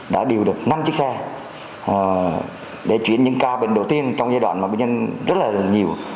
đã điều được năm chiếc xe để chuyển những ca bệnh đầu tiên trong giai đoạn mà bệnh nhân rất là nhiều